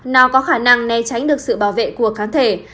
nào có khả năng né tránh được sự bảo vệ của kháng thể